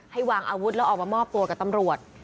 วางอาวุธแล้วออกมามอบตัวกับตำรวจ